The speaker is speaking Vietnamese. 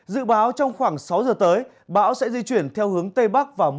dự báo trong khoảng sáu giờ tới bão sẽ di chuyển theo hướng tây bắc và mùa năm